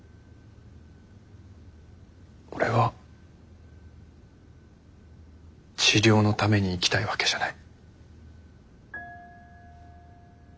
俺は治療のために生きたいわけじゃない。